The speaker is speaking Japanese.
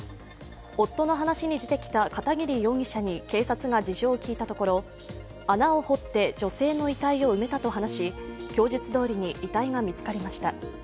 夫の話に出てきた片桐容疑者に警察が事情を聴いたところ、穴を掘って女性の遺体を埋めたと話し供述どおりに遺体が見つかりました。